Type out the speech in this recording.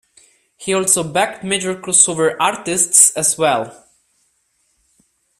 He also backed major crossover artists as well.